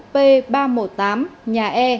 p ba trăm một mươi tám nhà e